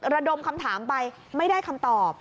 ระดมคำถามไปไม่ได้คำตอบ